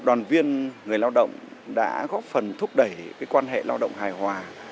đoàn viên người lao động đã góp phần thúc đẩy quan hệ lao động hài hòa